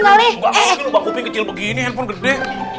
enggak kok ini lubang kuping kecil begini handphone gede